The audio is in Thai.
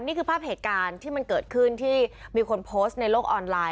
นี่คือภาพเหตุการณ์ที่มันเกิดขึ้นที่มีคนโพสต์ในโลกออนไลน